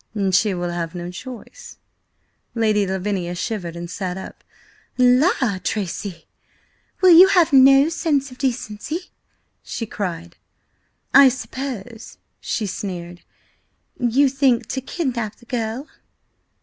"She will have no choice." Lady Lavinia shivered and sat up. "La, Tracy! Will you have no sense of decency?" she cried. "I suppose," she sneered, "you think to kidnap the girl?"